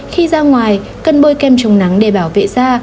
khi ra ngoài cân bôi kem chống nắng để bảo vệ da